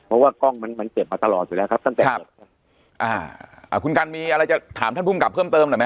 เพราะว่ากล้องมันมันเกิดมาตลอดอยู่แล้วครับตั้งแต่เกิดอ่าอ่าคุณกันมีอะไรจะถามท่านภูมิกับเพิ่มเติมหน่อยไหม